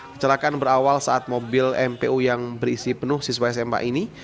kecelakaan berawal saat mobil mpu yang berisi penuh siswa sma ini